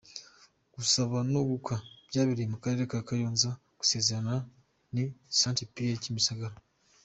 Gusaba no gukwa byabereye mu karere ka Kayonza gusezerana ni St Pierre Kimisagara.